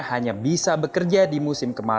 hanya bisa bekerja di musim kemarau